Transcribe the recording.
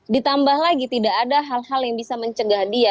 ditambah lagi tidak ada hal hal yang bisa mencegah dia